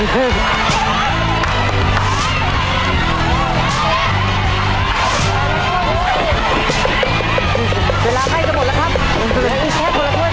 ใส่แล้วใส่แล้วใส่ที่เดียวเลย